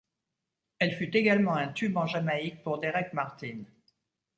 Elle fut également un tube en Jamaïque pour Derek Martin.